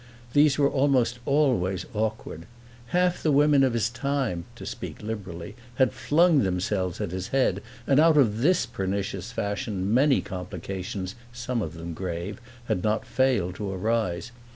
These were almost always awkward. Half the women of his time, to speak liberally, had flung themselves at his head, and out of this pernicious fashion many complications, some of them grave, had not failed to arise.